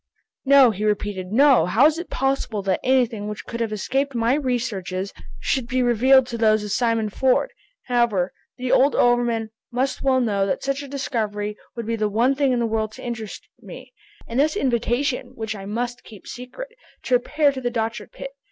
"No," he repeated, "no! How is it possible that anything which could have escaped my researches, should be revealed to those of Simon Ford. However, the old overman must well know that such a discovery would be the one thing in the world to interest me, and this invitation, which I must keep secret, to repair to the Dochart pit!"